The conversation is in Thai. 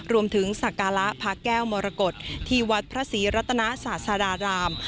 รวมถึงศักระพระแก้วมรกฏที่วัดพระศรีรัตนาศาสตราดาม